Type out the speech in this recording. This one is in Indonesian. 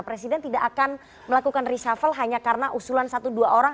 presiden tidak akan melakukan reshuffle hanya karena usulan satu dua orang